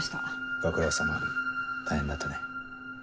ご苦労さま大変だったね。